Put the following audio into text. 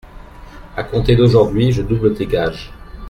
A compter d’aujourd’hui, je double tes gages.